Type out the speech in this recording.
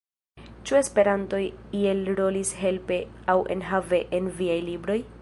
Ĉu Esperanto iel rolis helpe aŭ enhave en viaj libroj?